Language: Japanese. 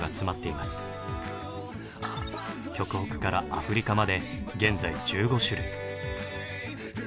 極北からアフリカまで現在１５種類。